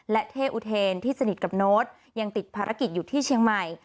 และเท่อุเทนที่สนิทกับโน้ตยังติดภารกิจอยู่ที่เชียงใหม่